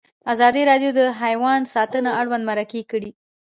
ازادي راډیو د حیوان ساتنه اړوند مرکې کړي.